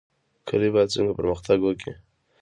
کلي باید څنګه پرمختګ وکړي؟